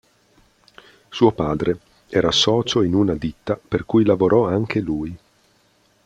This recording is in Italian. Suo padre era socio in una ditta per cui lavorò anche lui.